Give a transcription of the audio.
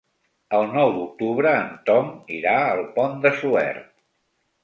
El nou d'octubre en Tom irà al Pont de Suert.